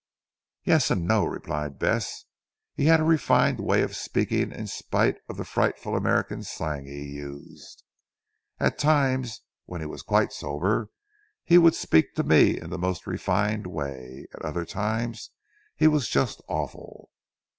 "Yes and No," replied Bess. "He had a refined way of speaking in spite of the frightful American slang he used. At times when he was quite sober he would speak to me in the most refined way. At other times he was just awful."